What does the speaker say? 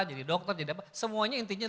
jadi dokter jadi apa semuanya intinya